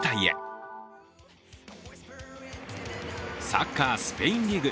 サッカー、スペインリーグ。